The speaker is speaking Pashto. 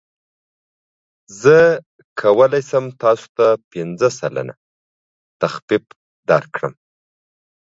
زه کولی شم تاسو ته پنځه سلنه تخفیف درکړم.